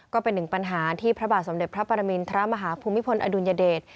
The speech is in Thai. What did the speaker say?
ก็เป็นหนึ่งปัญหาที่พระบาทสมเด็จพระปรมินทรมาฮภูมิพลอดุลยเดช